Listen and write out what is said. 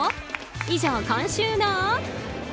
以上、今週の。